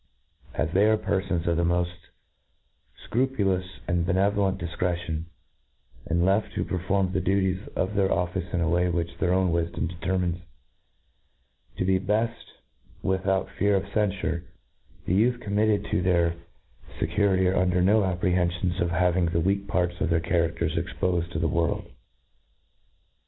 As they are pcrfons of the moft fcru puIou6 and benevolent difcretion, and left to per form the duties of their oiEce in the way which their own wifdbm determines to be beft, without fear of cenfure— — 4he youth committed to their fecurity are under no apprehenfions of having the weak parts of their characters expofed to the world.